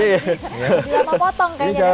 dia mau potong kayaknya